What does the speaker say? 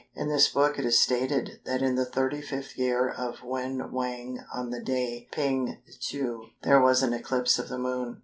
In this book it is stated that in the 35th year of Wen Wang on the day Ping Tzu there was an eclipse of the Moon.